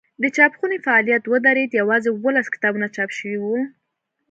د چاپخونې فعالیت ودرېد یوازې اوولس کتابونه چاپ شوي وو.